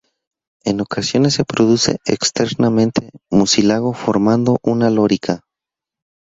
En ocasiones se produce, externamente, mucílago formando una lorica.